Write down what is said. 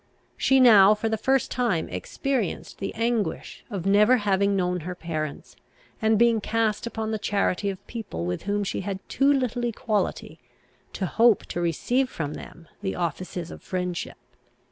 She now, for the first time, experienced the anguish of never having known her parents, and being cast upon the charity of people with whom she had too little equality, to hope to receive from them the offices of friendship.